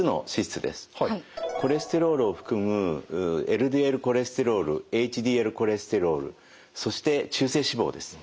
コレステロールを含むＬＤＬコレステロールＨＤＬコレステロールそして中性脂肪です。